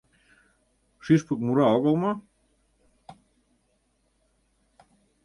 Шӱшпык мура огыл мо?